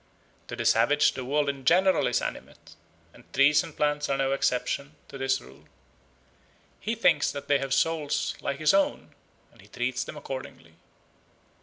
To the savage the world in general is animate, and trees and plants are no exception to the rule. He thinks that they have souls like his own, and he treats them accordingly.